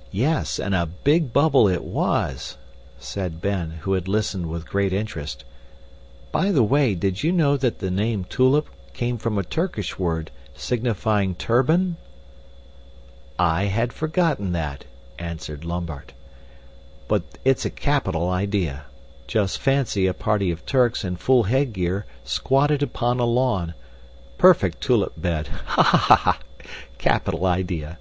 '" "Yes, and a big bubble it was," said Ben, who had listened with great interest. "By the way, did you know that the name tulip came from a Turkish word, signifying turban?" "I had forgotten that," answered Lambert, "but it's a capital idea. Just fancy a party of Turks in full headgear squatted upon a lawn perfect tulip bed! Ha! ha! Capital idea!"